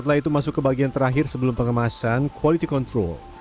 kalau kita lanjut ke bagian terakhir sebelum pengemasan quality control